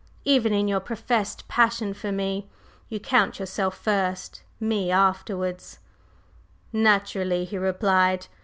"Even in your professed passion for me you count yourself first, me afterwards!" "Naturally!" he replied.